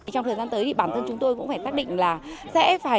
trong thời gian tới thì bản thân chúng tôi cũng phải phát định là